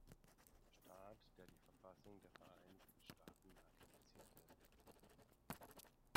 Staat, der die Verfassung der Vereinigten Staaten ratifizierte.